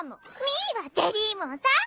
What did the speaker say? ミーはジェリーモンさ。